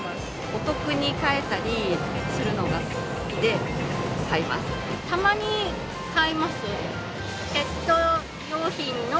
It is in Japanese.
お得に買えたりするのが好きたまに買います。